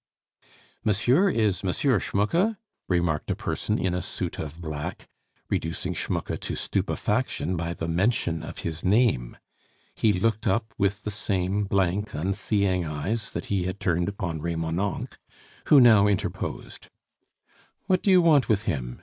"Monsieur is M. Schmucke?" remarked a person in a suit of black, reducing Schmucke to stupefaction by the mention of his name. He looked up with the same blank, unseeing eyes that he had turned upon Remonencq, who now interposed. "What do you want with him?"